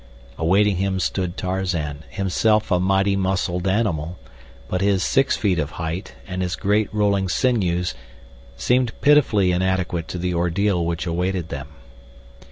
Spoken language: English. Awaiting him stood Tarzan, himself a mighty muscled animal, but his six feet of height and his great rolling sinews seemed pitifully inadequate to the ordeal which awaited them.